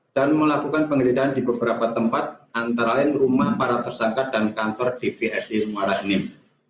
dan melakukan pengelitaan di beberapa tempat antara lain rumah para tersangka dan kantor dprd muara enim